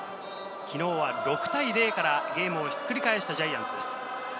昨日は６対０からゲームをひっくり返したジャイアンツです。